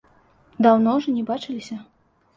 Даўно ўжо не бачыліся.